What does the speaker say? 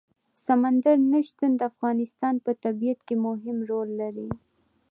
سمندر نه شتون د افغانستان په طبیعت کې مهم رول لري.